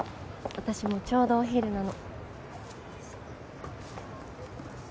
私もちょうどお昼なの。